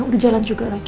udah jalan juga lagi